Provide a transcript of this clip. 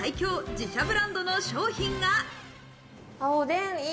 自社ブランドの商品が。